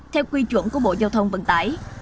theo quy chuẩn của bộ giao thông vận tải